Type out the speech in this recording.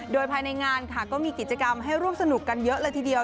โดยภายในงานค่ะก็มีกิจกรรมให้ร่วมสนุกกันเยอะเลยทีเดียว